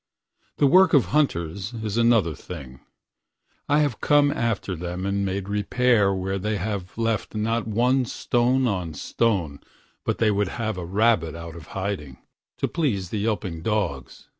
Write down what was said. The work of hunters is another thing:I have come after them and made repairWhere they have left not one stone on stone, But they would have the rabbit out of hiding, To please the yelping dogs.